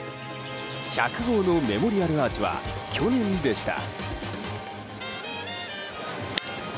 １００号のメモリアルアーチは去年でした。